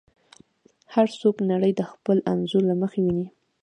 هر څوک نړۍ د خپل انځور له مخې ویني.